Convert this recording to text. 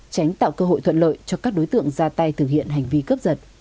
tránh tạo cơ hội thuận lợi cho các đối tượng ra tay thực hiện hành vi cướp giật